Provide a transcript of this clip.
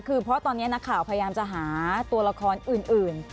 คือเพราะตอนนี้นักข่าวพยายามจะหาตัวละครอื่น